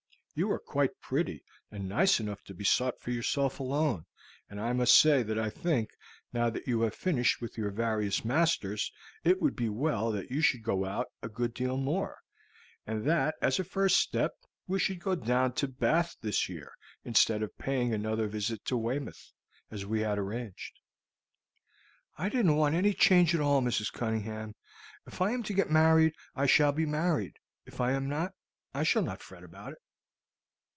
You are quite pretty and nice enough to be sought for yourself alone, and I must say that I think, now that you have finished with your various masters, it would be well that you should go out a good deal more, and that as a first step we should go down to Bath this year instead of paying another visit to Weymouth, as we had arranged." "I don't want any change at all, Mrs. Cunningham. If I am to get married I shall be married; if I am not I shall not fret about it."